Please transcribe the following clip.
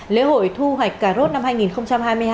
lễ hội thu hoạch cà rốt năm hai nghìn hai mươi hai